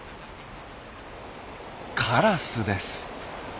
カラスです。